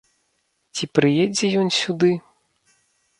Ці прыедзе ён сюды?